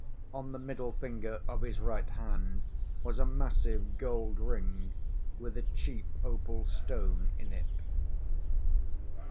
On the middle finger of his right hand was a massive gold ring with a cheap opal stone in it.